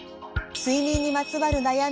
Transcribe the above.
睡眠にまつわる悩み